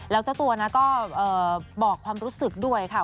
แล้วเจ้าตัวนะก็บอกความรู้สึกด้วยค่ะ